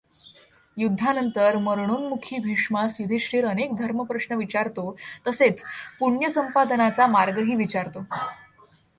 युद्धानंतर मरणोन्मुखी भीष्मास युधिष्ठिर अनेक धर्मप्रश्न विचारतो तसेच पुण्यसंपादनाचा मार्गही विचारतो.